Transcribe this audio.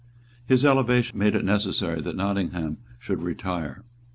His elevation made it necessary that Nottingham should retire.